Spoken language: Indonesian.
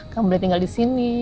kan boleh tinggal di sini